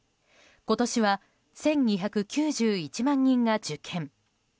今年は１２９１万人が受験。